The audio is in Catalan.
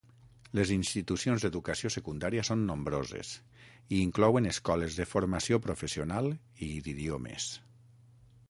Les institucions d'educació secundària són nombroses i inclouen escoles de formació professional i d'idiomes.